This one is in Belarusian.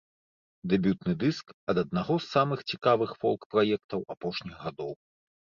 Дэбютны дыск ад аднаго з самых цікавых фолк-праектаў апошніх гадоў.